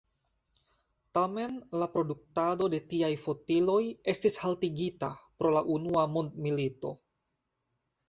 Tamen la produktado de tiaj fotiloj estis haltigita pro la unua mondmilito.